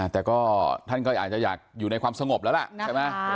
แต่ก็ท่านก็อาจจะอยากอยู่ในความสงบแล้วล่ะใช่ไหม